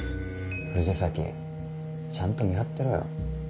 藤崎ちゃんと見張ってろよ。